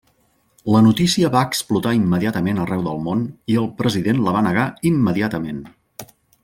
La notícia va explotar immediatament arreu del món i el president la va negar immediatament.